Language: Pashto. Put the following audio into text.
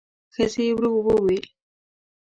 ښځې ورو وویل: